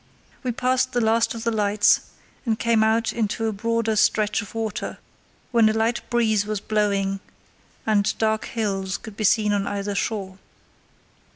We passed the last of the lights and came out into a broader stretch of water, when a light breeze was blowing and dark hills could be seen on either shore.